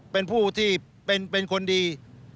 เป็นผู้ที่เป็นคนดี